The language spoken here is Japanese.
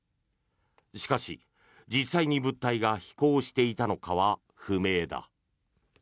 しかし、実際に物体が飛行していたのかは不明だ。